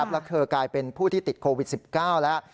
แล้วเธอกลายเป็นผู้ที่ติดโควิด๑๙แล้ว